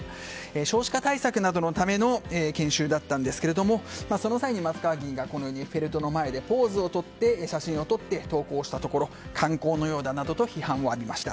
少子化対策などのための研修だったんですけれどもその際に、松川議員がこのようにエッフェル塔の前でポーズをとって写真を撮って投稿したところ観光のようだ、などと批判を浴びました。